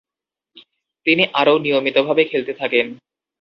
তিনি আরও নিয়মিতভাবে খেলতে থাকেন।